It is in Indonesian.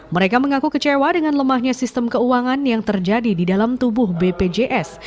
mereka mengaku kecewa dengan lemahnya sistem keuangan yang terjadi di dalam tubuh bpjs